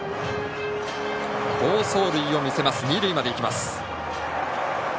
好走塁を見せて二塁までいきます。